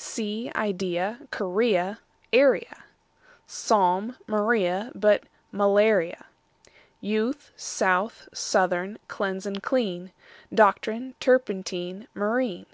Sea, idea, guinea, area, Psalm; Maria, but malaria; Youth, south, southern; cleanse and clean; Doctrine, turpentine, marine.